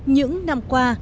những năm qua